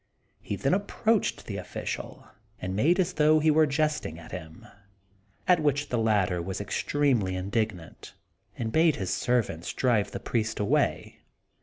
He then approached the official, and made as though he were jesting at him; at which the latter was extremely indignant, and bade his servants drive the priest away.